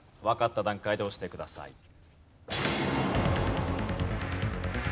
わかった段階で押してください。